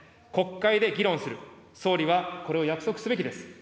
国会で議論する、総理はこれを約束すべきです。